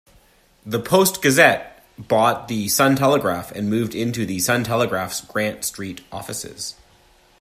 The "Post-Gazette" bought the "Sun-Telegraph" and moved into the "Sun-Telegraph"'s Grant Street offices.